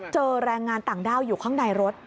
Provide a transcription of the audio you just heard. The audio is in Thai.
แรงงานต่างด้าวอยู่ข้างในรถ